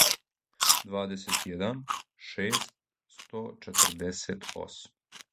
двадесетједан шест сточетрдесетосам